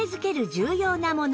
重要なもの